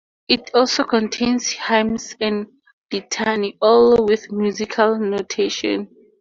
It also contains hymns and a litany, all with musical notation.